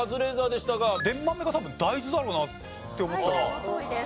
そのとおりです。